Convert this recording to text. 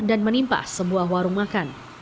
dan menimpa sebuah warung makan